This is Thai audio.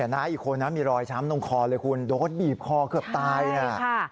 น้าอีกคนนะมีรอยช้ำตรงคอเลยคุณโดนบีบคอเกือบตายนะ